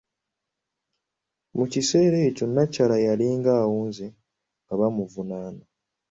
Mu kiseera ekyo nnakyala yalinga awunze nga bamuvunaana.